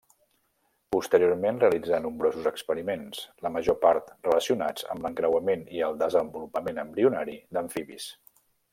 Posteriorment realitzà nombrosos experiments, la major part relacionats amb l'encreuament i el desenvolupament embrionari d'amfibis.